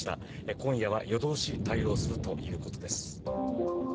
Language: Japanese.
今夜は夜通し対応するということです。